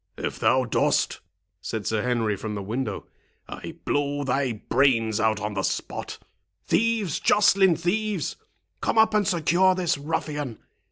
"If thou dost," said Sir Henry, from the window, "I blow thy brains out on the spot. Thieves, Joceline, thieves! come up and secure this ruffian.